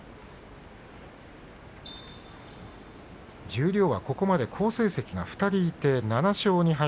十両はここまで好成績が２人いて７勝２敗